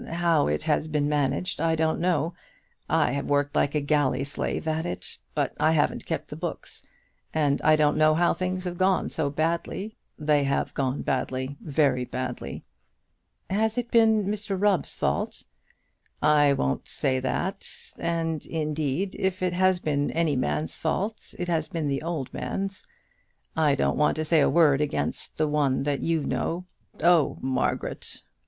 How it has been managed I don't know. I have worked like a galley slave at it, but I haven't kept the books, and I don't know how things have gone so badly. They have gone badly, very badly." "Has it been Mr Rubb's fault?" "I won't say that; and, indeed, if it has been any man's fault it has been the old man's. I don't want to say a word against the one that you know. Oh, Margaret!"